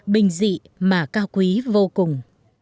bình dị mà cao quý vô cùng